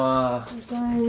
おかえり。